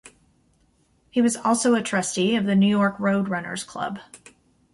He was also a trustee of the New York Road Runners Club.